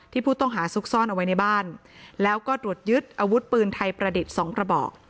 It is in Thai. ผู้ต้องหาซุกซ่อนเอาไว้ในบ้านแล้วก็ตรวจยึดอาวุธปืนไทยประดิษฐ์สองกระบอก